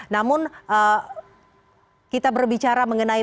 namun kita berbicara mengenai